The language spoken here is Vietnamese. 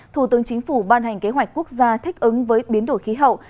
thủ tướng chính phủ ban hành kế hoạch quốc gia thích ứng với biến đổi khí hậu